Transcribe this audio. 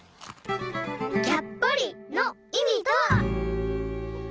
・「きゃっぽり」のいみとは？